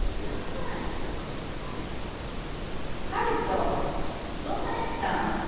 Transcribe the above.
悠人どないしたん。